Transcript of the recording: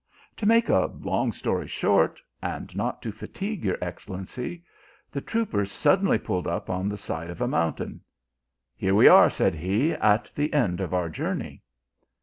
" To make a long story short, and not to fatiguo your excellency, the trooper suddenly pulled up on the side of a mountain. * Here we are, said he, at the end of our journey.